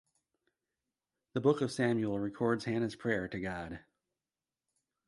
The book of Samuel records Hannah's prayer to God.